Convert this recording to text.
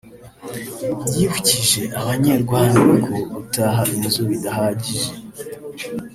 yibukije abanyerwaniro ko gutaha inzu bidahagije